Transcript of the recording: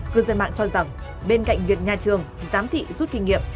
cư dân mạng cho rằng bên cạnh việc nhà trường giám thị rút kinh nghiệm